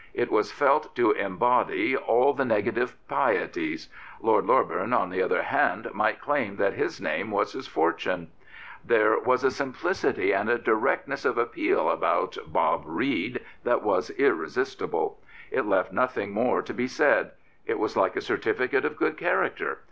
It was felt to embody all the negative pieties. Lord Loreburn, on the other hand, might claim that his name was his fortune. There was a simplicity and directness of appeal about Bob Reid that was irresistible. It left nothing more to be said. It was like a certificate of good character.